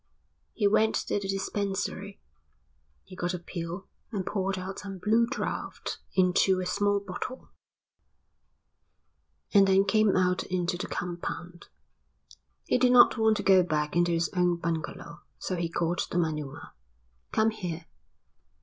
He went to the dispensary. He got a pill and poured out some blue draught into a small bottle, and then came out into the compound. He did not want to go back into his own bungalow, so he called to Manuma. "Come here."